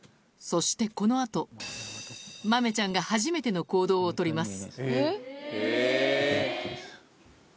そしてこのあと、豆ちゃんが初めての行動を取ります。